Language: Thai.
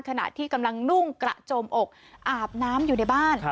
ขณะที่กำลังนุ่งกระโจมอกอาบน้ำอยู่ในบ้าน